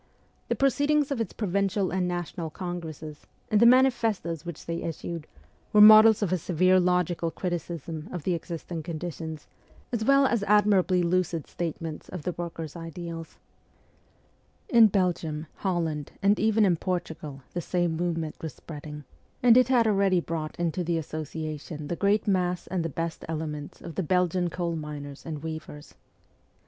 The proceedings of its provincial and national congresses, and the manifestoes which they issued, were models of a severe logical criticism of the existing conditions, as well as admir ably lucid statements of the workers' ideals. In Belgium, Holland, and even in Portugal the 68 MEMOIRS OF A REVOLUTIONIST same movement was spreading, and it had already brought into the Association the great mass and the best elements of the Belgian coal miners and weavers.